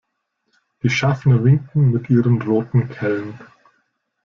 Die Schaffner winken mit ihren roten Kellen.